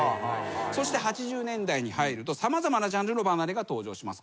そして８０年代に入ると様々なジャンルの離れが登場します。